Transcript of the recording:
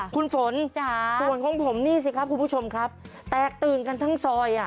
คุณฝนส่วนของผมนี่สิครับคุณผู้ชมครับแตกตื่นกันทั้งซอย